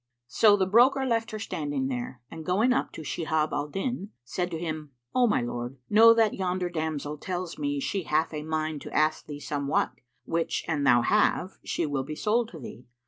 So the broker left her standing there and going up to Shihab al Din, said to him, "O my lord, know that yonder damsel tells me she hath a mind to ask thee somewhat, which an thou have, she will be sold to thee.